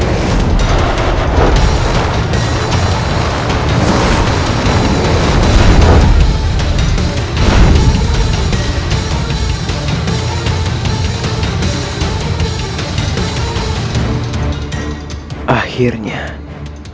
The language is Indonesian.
saya akan dikenali